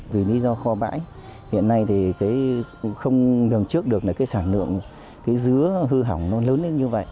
vì lý do kho bãi hiện nay thì không đường trước được sản lượng dứa hư hỏng lớn như vậy